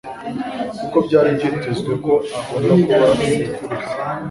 kuko byari byitezwe ko agomba kuba sekuruza